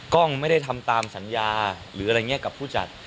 กล้องไม่ได้ทำตามสัญญากับผู้จัด